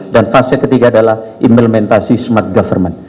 dan fase ketiga adalah implementasi smart government